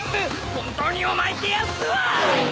本当にお前ってやつは！